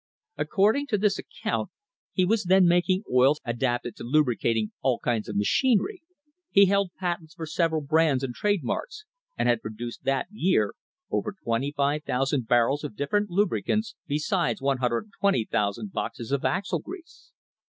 According to this account he was then making oils adapted to lubricating all kinds of machinery — he held patents for several brands and trade marks, and had produced that year over 25,000 barrels of different lubricants besides 120,000 boxes of axle grease.